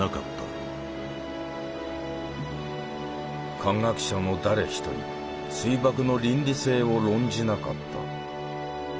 科学者の誰一人水爆の倫理性を論じなかった。